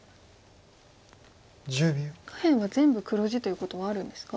下辺は全部黒地ということはあるんですか？